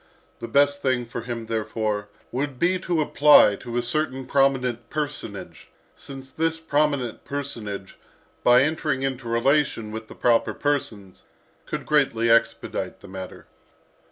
The best thing for him, therefore, would be to apply to a certain prominent personage; since this prominent personage, by entering into relation with the proper persons, could greatly expedite the matter.